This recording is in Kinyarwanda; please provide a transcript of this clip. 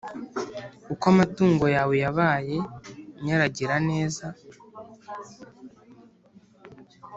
uko amatungo yawe yabaye nyaragira neza